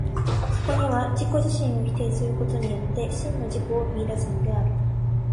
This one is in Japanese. そこには自己自身を否定することによって、真の自己を見出すのである。